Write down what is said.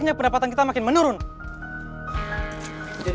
mereka pakai hujan